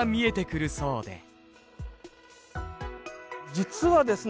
実はですね